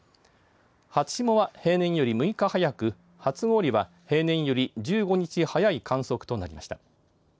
初霜は平年より６日早く初氷は平年より１５日早い観測となりました。